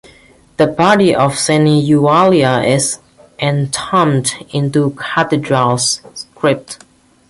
The body of Saint Eulalia is entombed in the cathedral's crypt.